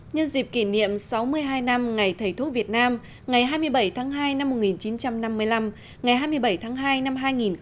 nhân dịp kỷ niệm sáu mươi hai năm ngày thầy thuốc việt nam ngày hai mươi bảy tháng hai năm một nghìn chín trăm năm mươi năm ngày hai mươi bảy tháng hai năm hai nghìn hai mươi